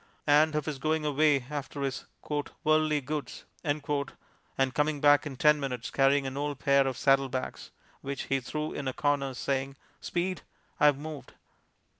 And of his going away after his "worldly goods" and coming back in ten minutes carrying an old pair of saddlebags, which he threw into a corner saying, "Speed, I've moved!".